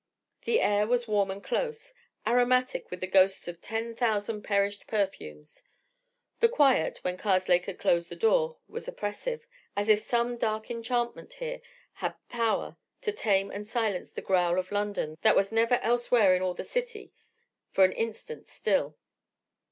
The air was warm and close, aromatic with the ghosts of ten thousand perished perfumes. The quiet, when Karslake had closed the door, was oppressive, as if some dark enchantment here had power to tame and silence the growl of London that was never elsewhere in all the city for an instant still.